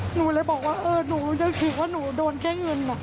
หนูเลยบอกว่าถือว่าหนูโดนแค่เงิน